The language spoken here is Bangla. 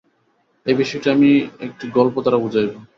এই বিষয়টি আমি একটি গল্প দ্বারা বুঝাইব।